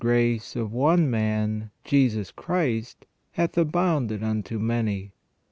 345 grace of one Man Jesus Christ hath abounded unto many. .